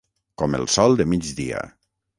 Com el sol de migdia.